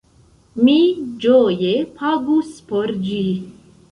Mi ĝoje pagus por ĝi!